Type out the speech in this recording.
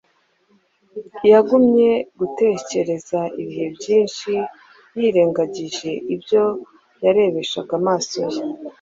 yagumye gutekereza ibihe byinshi yirengagije ibyo yarebeshaga amaso ye